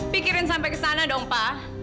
pikirin sampai ke sana dong pak